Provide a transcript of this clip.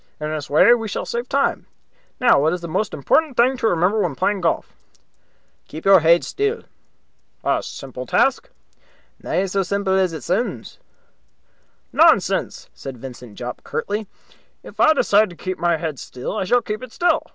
In this way we shall save time. Now, what is the most important thing to remember when playing golf?" "Keep your heid still." "A simple task." "Na sae simple as it soonds." "Nonsense!" said Vincent Jopp, curtly. "If I decide to keep my head still, I shall keep it still.